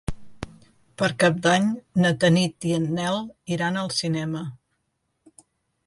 Per Cap d'Any na Tanit i en Nel iran al cinema.